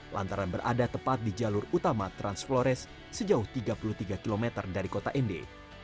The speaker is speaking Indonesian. lantaran berada tepat di jalur utama transflores sejauh tiga puluh tiga km dari kota nd